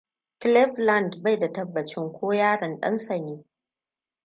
Cleveland bai da tabbacin ko yaron ɗansa ne.